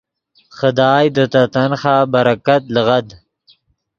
خدائے دے تے تنخواہ برکت لیغد۔